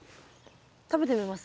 食べてみます？